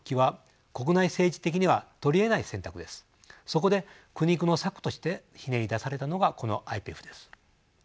そこで苦肉の策としてひねり出されたのがこのＩＰＥＦです。